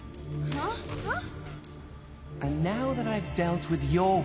はっ。